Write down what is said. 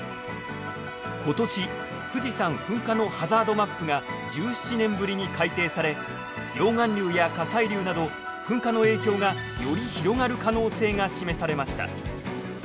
今年富士山噴火のハザードマップが１７年ぶりに改定され溶岩流や火砕流など噴火の影響がより広がる可能性が示されました。